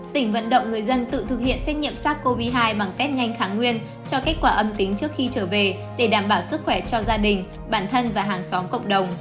tỉnh vận động người dân tự thực hiện xét nghiệm sars cov hai bằng test nhanh kháng nguyên cho kết quả âm tính trước khi trở về để đảm bảo sức khỏe cho gia đình bản thân và hàng xóm cộng đồng